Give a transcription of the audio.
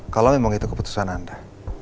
kalau memang itu keputusan anda